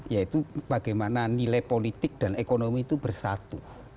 yaitu bagaimana nilai politik dan ekonomi itu bersatu